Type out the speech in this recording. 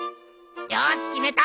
よし決めた！